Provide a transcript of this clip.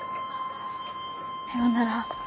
さよなら。